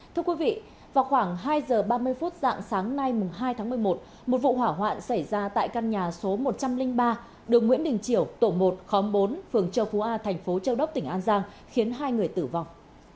thưa quý vị vào khoảng hai giờ ba mươi phút dạng sáng nay hai tháng một mươi một một vụ hỏa hoạn xảy ra tại căn nhà số một trăm linh ba đường nguyễn đình chiểu tổ một khóm bốn phường châu phú a thành phố châu đốc tỉnh an giang khiến hai người tử vong